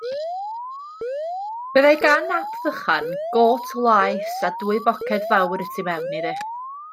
Byddai gan Ap Vychan got laes a dwy boced fawr y tu mewn iddi.